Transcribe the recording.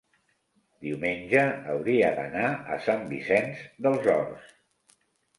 diumenge hauria d'anar a Sant Vicenç dels Horts.